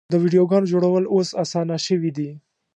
د ویډیوګانو جوړول اوس اسانه شوي دي.